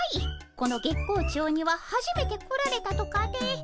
この月光町にははじめて来られたとかで。